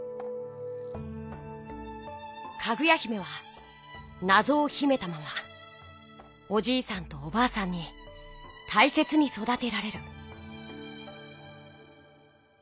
かぐや姫はなぞをひめたままおじいさんとおばあさんにたいせつにそだてられる。